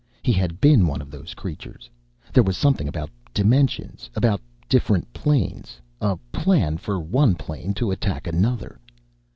He had been one of those creatures. There was something about dimensions, about different planes, a plan for one plane to attack another!